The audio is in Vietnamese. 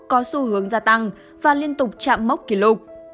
bắt đầu hướng gia tăng và liên tục chạm mốc kỷ lục